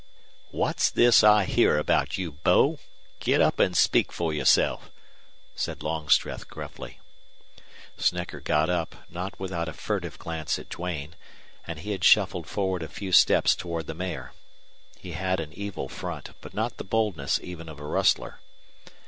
"What's this I hear about you, Bo? Get up and speak for yourself," said Longstreth, gruffly. Snecker got up, not without a furtive glance at Duane, and he had shuffled forward a few steps toward the Mayor. He had an evil front, but not the boldness even of a rustler.